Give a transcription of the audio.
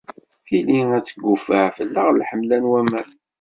Tili ad d-tegguffeɛ fell-aɣ lḥemla n waman.